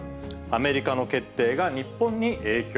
アメリカの決定が日本に影響。